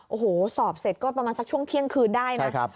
โอ้โหสอบเสร็จก็ประมาณสักช่วงเที่ยงคืนได้นะ